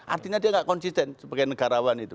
artinya dia nggak konsisten sebagai negarawan itu